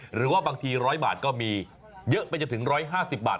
หรือว่าบางที๑๐๐บาทก็มีเยอะไปจนถึง๑๕๐บาท